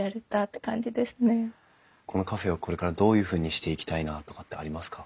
このカフェをこれからどういうふうにしていきたいなとかってありますか？